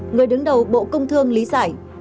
người đứng đầu bộ công thương lý giải